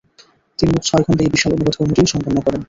তিনি মোট ছয় খণ্ডে এই বিশাল অনুবাদ কর্মটি সম্পন্ন করেন।